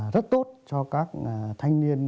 rất tốt cho các thanh niên